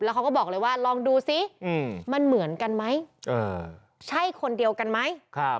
เขาก็บอกเลยว่าลองดูซิมันเหมือนกันไหมใช่คนเดียวกันไหม